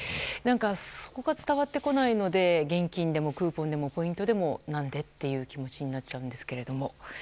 そこが伝わってこないので現金でもクーポンでもポイントでも何で？っていう気持ちになっちゃうんですけれども。